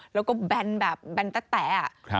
แล้วก็แบนแบบแบนแตะ